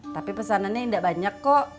tapi pesanannya tidak banyak kok